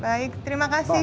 baik terima kasih